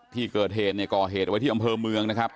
ที่เกิดเหตุก่อเหตุไว้ที่อเมืองนะครับ